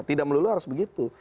tidak melulu harus begitu